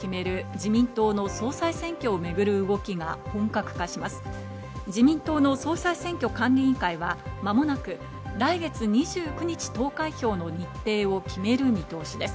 自民党の総裁選挙管理委員会は間もなく来月２９日、投開票の日程を決める見通しです。